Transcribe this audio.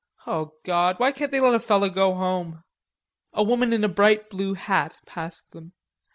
Oh, God! why can't they let a feller go home?" A woman in a bright blue hat passed them.